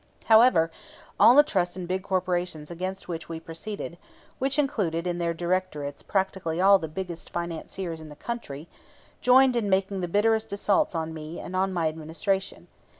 However, all the trusts and big corporations against which we proceeded which included in their directorates practically all the biggest financiers in the country joined in making the bitterest assaults on me and on my Administration.